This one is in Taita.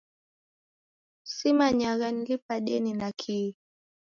Simanyagha nilipa deni na kihi